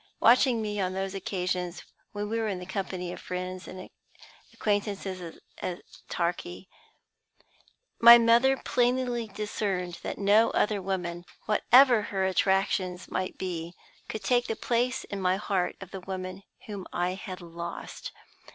Watching me on those occasions when we were in the company of friends and acquaintances at Torquay, my mother plainly discerned that no other woman, whatever her attractions might be, could take the place in my heart of the woman whom I had lost.